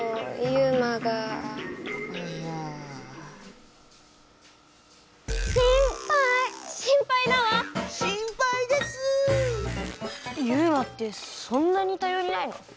ユウマってそんなにたよりないの？